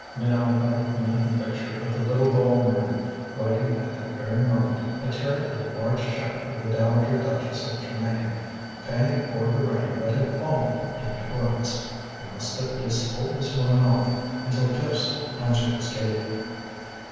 Minot had a mental picture of the little bald man writing at that very moment a terribly large check for the Dowager Duchess of Tremayne paying for the rain that had fallen in torrents. He must at least hold this woman off until Jephson answered his cable.